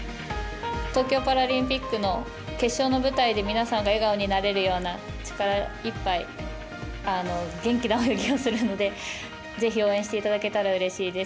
東京パラリンピックの決勝の舞台で皆さんが笑顔になれるような、力いっぱい元気な泳ぎをするのでぜひ応援していただけたらうれしいです。